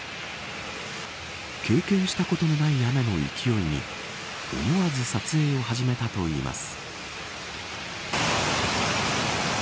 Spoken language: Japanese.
経験したことのない雨の勢いに思わず撮影を始めたといいます。